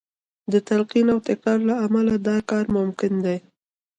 د تلقین او تکرار له امله دا کار ممکن دی